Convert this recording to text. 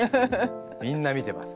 みんな見てます。